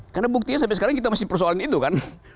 karena buktinya sampai sekarang kita masih persoalan itu kan